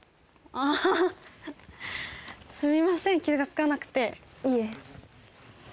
ああすみません気がつかなくていえ